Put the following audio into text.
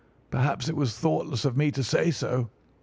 Perhaps it was thoughtless of me to say so.